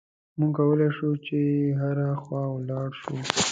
موږ کولای شو چې هره خوا ولاړ شو.